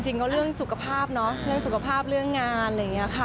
จริงก็เรื่องสุขภาพเนาะเรื่องสุขภาพเรื่องงานอะไรอย่างนี้ค่ะ